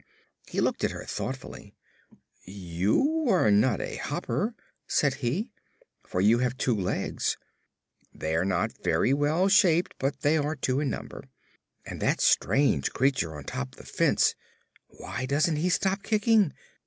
He looked at her thoughtfully. "You are not a Hopper," said he, "for you have two legs. They're not very well shaped, but they are two in number. And that strange creature on top the fence why doesn't he stop kicking?